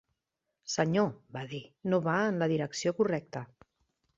"Senyor", va dir, "no va en la direcció correcta".